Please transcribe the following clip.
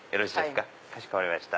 かしこまりました。